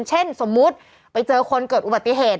เช่นสมมุติไปเจอคนเกิดอุบัติเหตุ